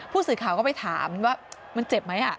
ผู้สื่อข่าวก็ไปถามว่ามันเจ็บไหม